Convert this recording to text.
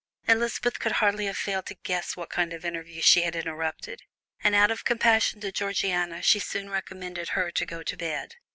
Elizabeth could hardly have failed to guess what kind of interview she had interrupted, and out of compassion to Georgiana she soon recommended her to go to bed.